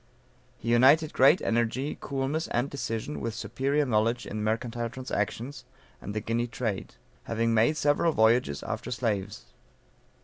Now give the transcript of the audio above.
He united great energy, coolness and decision, with superior knowledge in mercantile transactions, and the Guinea trade; having made several voyages after slaves.